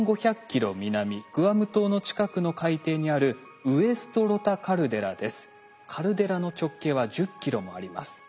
南グアム島の近くの海底にあるカルデラの直径は１０ｋｍもあります。